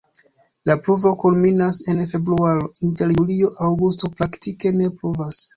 La pluvo kulminas en februaro, inter julio-aŭgusto praktike ne pluvas.